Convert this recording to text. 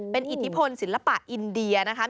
เป็นอิทธิพลศิลปะอินเดียนะคะ